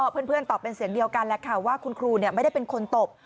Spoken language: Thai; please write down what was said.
เป็นเสียงเดียวกันแล้วค่ะว่าคุณครูไม่ได้เป็นคนตบ